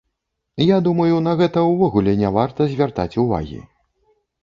Я думаю, на гэта ўвогуле не варта звяртаць увагі.